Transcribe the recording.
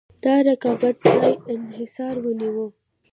د رقابت ځای انحصار ونیوه.